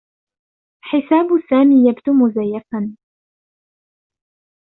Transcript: حساب سامي يبدو مزيفا.